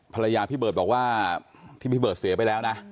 พี่เบิร์ตบอกว่าที่พี่เบิร์ดเสียไปแล้วนะ